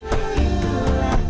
itulah kemuliaan ramadhan